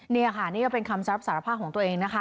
นี่ค่ะนี่ก็เป็นคำรับสารภาพของตัวเองนะคะ